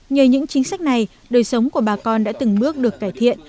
nhờ những chính sách này đời sống của bà con đã từng bước được cải thiện